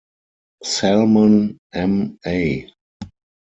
Salmon, M. A.